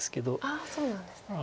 ああそうなんですね。